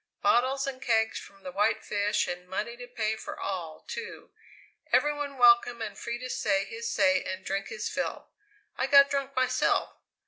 Bottles and kegs from the White Fish and money to pay for all, too! Every one welcome and free to say his say and drink his fill. I got drunk myself!